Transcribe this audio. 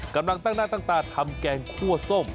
กำลังตั้งหน้าตั้งตาทำแกงคั่วส้ม